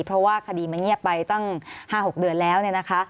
เพราะว่าคดีมันเงียบไปตั้ง๕๖เดือนแล้วเนี่ยนะคะ